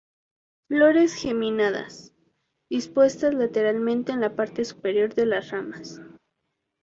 Flores geminadas, dispuestas lateralmente en la parte superior de las ramas.